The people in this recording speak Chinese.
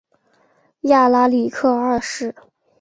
亚拉里克二世。